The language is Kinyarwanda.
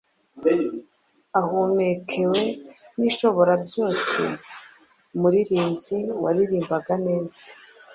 Ahumekewe n’Ishoborabyose, Umuririmbyi waririmbaga neza